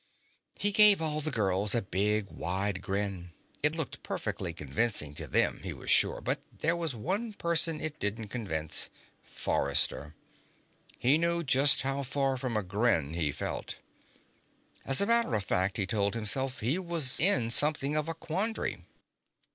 He gave all the girls a big, wide grin. It looked perfectly convincing to them, he was sure, but there was one person it didn't convince: Forrester. He knew just how far from a grin he felt. As a matter of fact, he told himself, he was in something of a quandary.